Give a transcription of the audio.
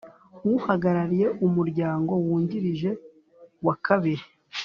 Uhagarariye Umuryango wungirije wa kabiri